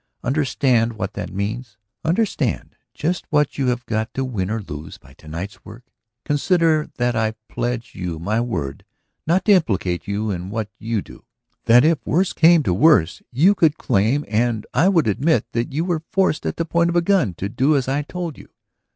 Understand what that means. Understand just what you have got to win or lose by to night's work. Consider that I pledge you my word not to implicate you in what you do; that if worse came to worse, you could claim and I would admit that you were forced at the point of a gun to do as I told you.